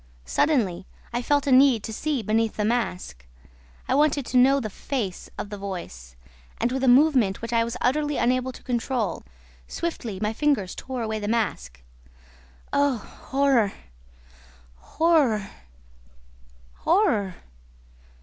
Suddenly, I felt a need to see beneath the mask. I wanted to know the FACE of the voice, and, with a movement which I was utterly unable to control, swiftly my fingers tore away the mask. Oh, horror, horror, horror!"